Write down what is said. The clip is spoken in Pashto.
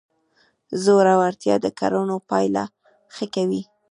زړورتیا د کړنو پایله ښه کوي.